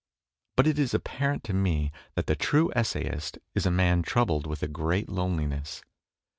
But it is apparent to me that the true essayist is a man troubled with a great loneliness.